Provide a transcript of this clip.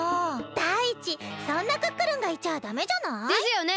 だいいちそんなクックルンがいちゃダメじゃない？ですよね！